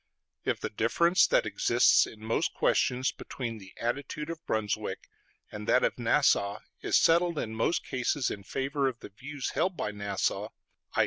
If the difference that exists in most questions between the attitude of Brunswick and that of Nassau is settled in most cases in favor of the views held by Nassau, (i.